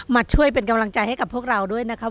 มาช่วยเป็นกำลังใจให้กับพวกเราด้วยนะครับ